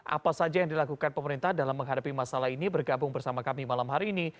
apa saja yang dilakukan pemerintah dalam menghadapi masalah ini bergabung bersama kami malam hari ini